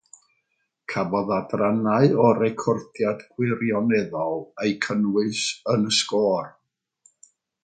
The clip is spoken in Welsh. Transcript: Cafodd adrannau o'r recordiad gwirioneddol eu cynnwys yn y sgôr.